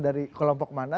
dari kelompok mana